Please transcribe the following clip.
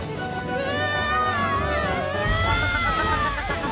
うわ！